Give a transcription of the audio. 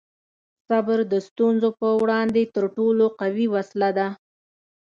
صبر د ستونزو په وړاندې تر ټولو قوي وسله ده.